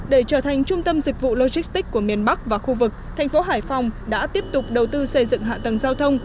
để trở thành trung tâm dịch vụ logistics của miền bắc và khu vực thành phố hải phòng đã tiếp tục đầu tư xây dựng hạ tầng giao thông